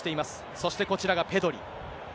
そしてこちらがペドリ。